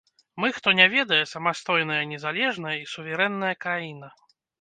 Мы, хто не ведае, самастойная незалежная і суверэнная краіна.